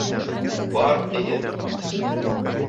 Бар, тием!